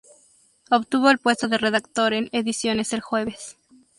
Obtuvo el puesto de redactor en Ediciones El Jueves.